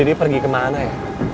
ini pergi kemana ya